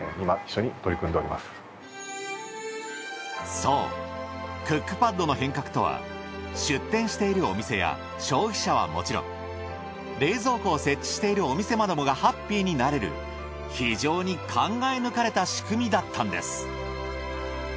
そうクックパッドの変革とは出店しているお店や消費者はもちろん冷蔵庫を設置しているお店までもがハッピーになれる非常に考え抜かれた仕組みだったんです。